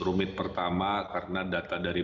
rumit pertama karena data dari